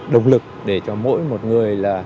động lực để cho mỗi một người